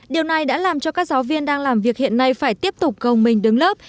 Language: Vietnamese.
điều này đã làm cho các giáo viên đang làm việc hiện nay phải tiếp tục gồng mình đứng lớp